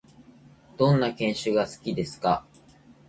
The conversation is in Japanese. どんな犬種が好きですか？